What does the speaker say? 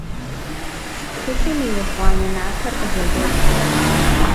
Тхылъым и ебгъуанэ напэр къызэгуэх.